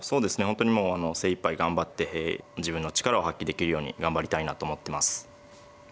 本当にもうあの精いっぱい頑張って自分の力を発揮できるように頑張りたいなと思ってます。